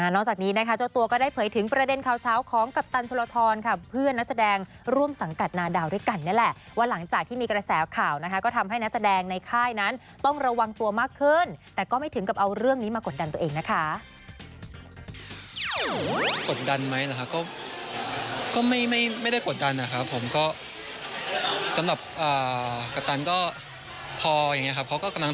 จากนี้นะคะเจ้าตัวก็ได้เผยถึงประเด็นข่าวเช้าของกัปตันชลทรค่ะเพื่อนนักแสดงร่วมสังกัดนาดาวด้วยกันนี่แหละว่าหลังจากที่มีกระแสข่าวนะคะก็ทำให้นักแสดงในค่ายนั้นต้องระวังตัวมากขึ้นแต่ก็ไม่ถึงกับเอาเรื่องนี้มากดดันตัวเองนะคะ